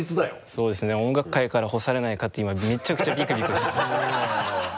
そうですね音楽界から干されないかって今めちゃくちゃビクビクしてますハハハ